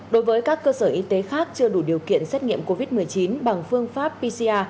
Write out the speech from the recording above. đối với các cơ sở y tế khác chưa đủ điều kiện xét nghiệm covid một mươi chín bằng phương pháp pcr